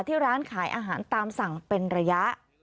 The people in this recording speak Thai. ที่ร้านขายอาหารตามสั่งเป็นระยะ